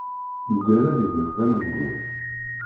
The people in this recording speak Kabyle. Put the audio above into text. Yugad ad immet d amengur.